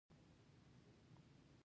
د دښمن د خيمو تر مخ زرګونه سپاره ودرېدل.